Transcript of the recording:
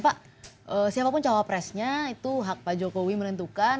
pak siapapun cowok presnya itu hak pak jokowi menentukan